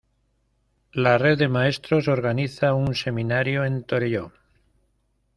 La red de maestros organiza un seminario en Torelló.